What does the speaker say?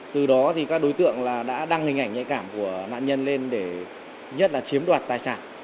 từ đó thì các đối tượng đã đăng hình ảnh nhạy cảm của nạn nhân lên để nhất là chiếm đoạt tài sản